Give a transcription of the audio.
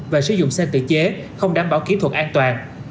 và sử dụng xe tự chế không đảm bảo kỹ thuật an toàn